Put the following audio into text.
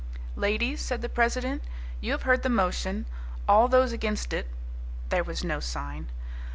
"Ladies," said the president, "you have heard the motion. All those against it " There was no sign.